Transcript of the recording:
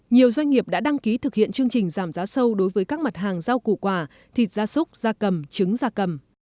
nhiều doanh nghiệp đã đăng ký thực hiện chương trình giảm giá sâu đối với các mặt hàng giao cụ quả thịt ra súc ra cầm trứng ra cầm